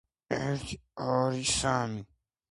მონაწილეთა შერჩევა მოხდა ზონალურ ტურნირებში.